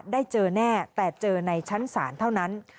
ได้เจอแน่แต่เจอในชั้นศาลเท่านั้น